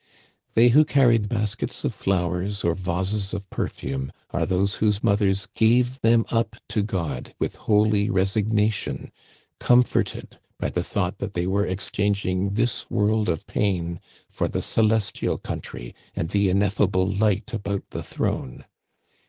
They who carried baskets of flowers or vases of perfume are those whose mothers Digitized by VjOOQIC 104 THE CANADIANS OF OLD. gave them up to God with holy resignation, comforted by the thought that they were exchanging this world of pain for the celestial country and the ineffable light about the throne.